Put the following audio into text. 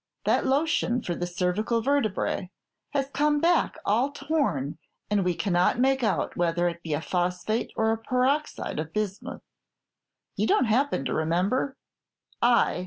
That lotion for the cervical vertebrae has come back all torn, and we cannot make out whether it be a phosphate or a prot' oxide of bismuth. You don't happen to remember?" "I?